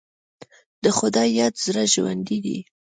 د خدای یاد د زړه ژوند دی.